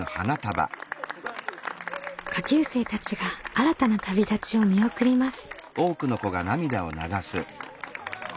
下級生たちが新たな旅立ちを見送ります。